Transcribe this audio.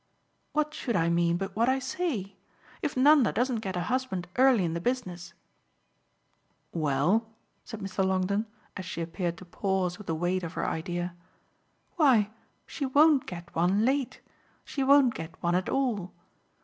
"What should I mean but what I say? If Nanda doesn't get a husband early in the business " "Well?" said Mr. Longdon, as she appeared to pause with the weight of her idea. "Why she won't get one late she won't get one at all.